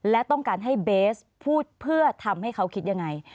และต้องการให้เบสพูดเพื่อทำให้เขาคิดยังไง